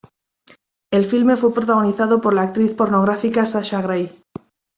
El filme fue protagonizado por la actriz pornográfica Sasha Grey.